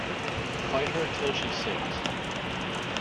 Fight her till she sinks.